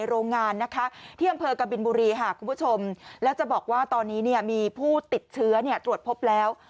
โรงงานนะคะที่อำเภอกบินบุรีค่ะคุณผู้ชมแล้วจะบอกว่าตอนนี้มีผู้ติดเชื้อตรวจพบแล้ว